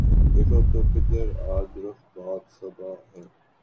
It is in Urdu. دیکھو تو کدھر آج رخ باد صبا ہے